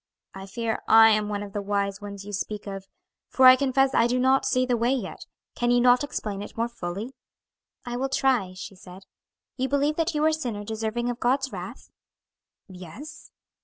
"I fear I am one of the wise ones you speak of, for I confess I do not see the way yet. Can you not explain it more fully?" "I will try," she said. "You believe that you are a sinner deserving of God's wrath?" "Yes."